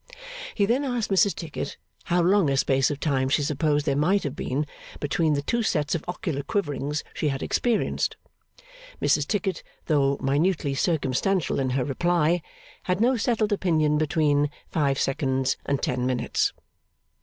He then asked Mrs Tickit how long a space of time she supposed there might have been between the two sets of ocular quiverings she had experienced? Mrs Tickit, though minutely circumstantial in her reply, had no settled opinion between five seconds and ten minutes.